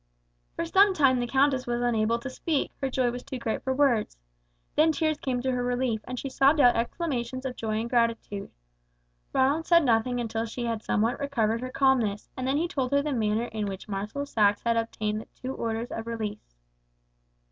For some time the countess was unable to speak, her joy was too great for words. Then tears came to her relief, and she sobbed out exclamations of joy and gratitude. Ronald said nothing until she had somewhat recovered her calmness, and then he told her the manner in which Marshal Saxe had obtained the two orders of release.